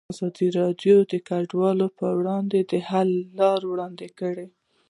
ازادي راډیو د کډوال پر وړاندې د حل لارې وړاندې کړي.